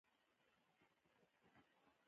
د بیسیواده مشرانو خبرې باید کشران و نه منې